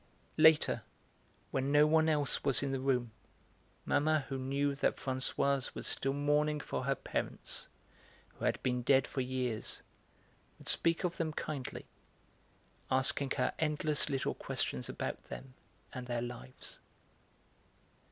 Later, when no one else was in the room, Mamma, who knew that Françoise was still mourning for her parents, who had been dead for years, would speak of them kindly, asking her endless little questions about them and their lives.